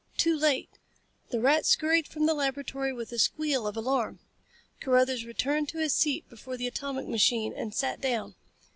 Too late. The rat scurried from the laboratory with a squeal of alarm. Carruthers returned to his seat before the atomic machine and sat down.